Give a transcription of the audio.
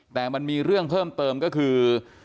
แต่มันมีเรื่องเพิ่มเติมก็คือ